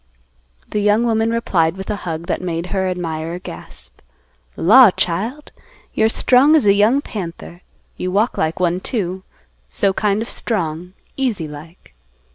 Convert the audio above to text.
The young woman replied with a hug that made her admirer gasp. "Law, child; you're strong as a young panther. You walk like one too; so kind of strong, easy like."